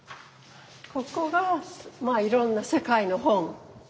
ここがいろんな世界の本。